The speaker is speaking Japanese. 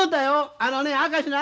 あのね